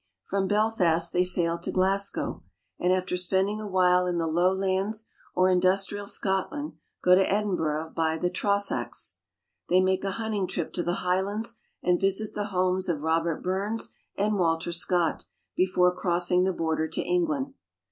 From Belfast, they sail to Glasgow, and after spending a while in the Lowlands or Industrial Scotland go to Edinburgh by the Trossachs. They make a hunting trip to the Highlands, and visit the homes of Robert Burns and Walter Scott before crossing the border to England.